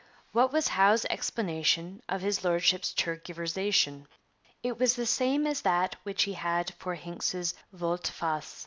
What was Howe's explanation of his Lordship's tergiversation? It was the same as that which he had for Hincks's volte face.